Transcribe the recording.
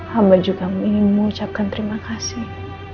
hamba juga ingin mengucapkan terima kasih